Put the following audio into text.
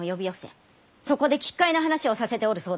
そこで奇怪な話をさせておるそうではないか！